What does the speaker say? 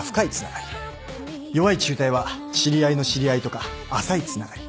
弱い紐帯は知り合いの知り合いとか浅いつながり。